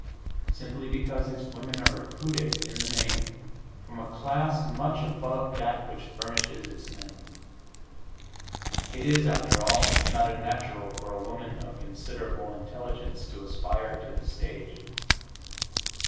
Simply because its women are recruited, in the main, from a class much above that which furnishes its men. It is, after all, not unnatural for a woman of considerable intelligence to aspire to the stage.